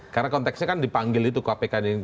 karena konteksnya kan dipanggil itu ke kpk ini